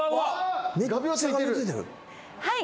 はい。